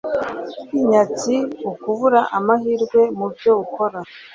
inyatsi ukubura amahirwe mu byo ukora